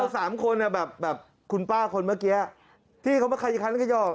ทำไมเรา๓คนแบบคุณป้าคนเมื่อกี้ที่เขามาคัยคันก็ยอม